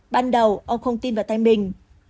ban đầu ông không tin vào tay mình